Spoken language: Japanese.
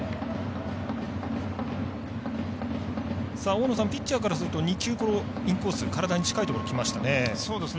大野さん、ピッチャーからすると２球インコース体に近いところにきましたね。